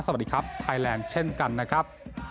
สวัสดีครับไทยแลนด์เช่นกันนะครับ